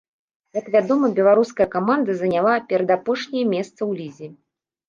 Як вядома, беларуская каманда заняла перадапошняе месца ў лізе.